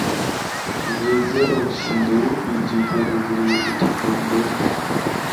غذر ہور شندور بھی جیپاں دے ذریعے اِتھیو جُلدے ہن۔